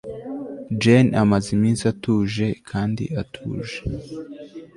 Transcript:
jane amaze iminsi atuje kandi atuje